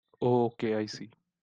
Oh okay, I see.